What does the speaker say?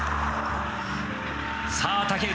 さあ竹内